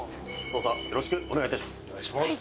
「捜査よろしくお願い致します」